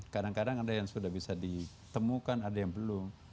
kadang kadang ada yang sudah bisa ditemukan ada yang belum